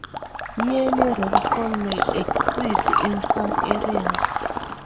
Yearly rainfall may exceed in some areas.